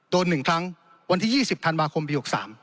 ๑ครั้งวันที่๒๐ธันวาคมปี๖๓